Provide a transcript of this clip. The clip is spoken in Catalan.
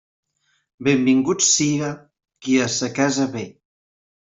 Benvingut siga qui a sa casa ve.